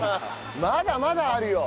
まだまだあるよ。